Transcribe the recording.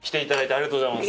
ありがとうございます。